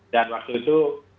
dan waktu itu